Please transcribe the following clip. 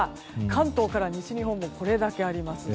関東から西日本もこれだけあります。